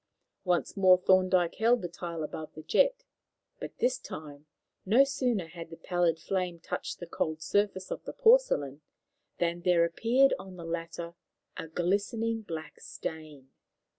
Once more Thorndyke held the tile above the jet, but this time, no sooner had the pallid flame touched the cold surface of the porcelain, than there appeared on the latter a glistening black stain.